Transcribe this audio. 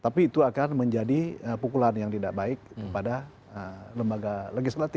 tapi itu akan menjadi pukulan yang tidak baik kepada lembaga legislatif